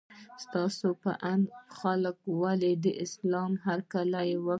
ستاسو په اند خلکو ولې له اسلام هرکلی وکړ؟